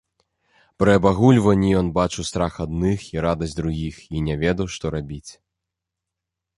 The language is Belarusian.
Пры абагульванні ён бачыў страх адных і радасць другіх і не ведаў, што рабіць.